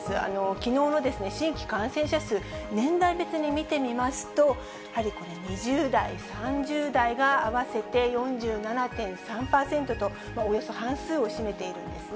きのうの新規感染者数、年代別に見てみますと、やはりこれ２０代、３０代が合わせて４７．３％と、およそ半数を占めているんですね。